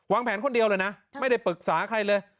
แผนคนเดียวเลยนะไม่ได้ปรึกษาใครเลย